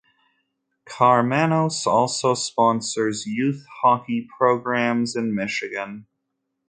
Karmanos also sponsors youth hockey programs in Michigan.